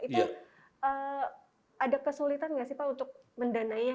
itu ada kesulitan nggak sih pak untuk mendanainya